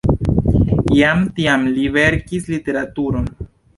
Jam tiam li verkis literaturon.